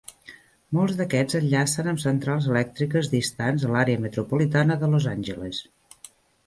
Molts d'aquests enllacen amb centrals elèctriques distants a l'àrea metropolitana de Los Angeles.